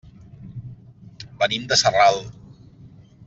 Venim de Sarral.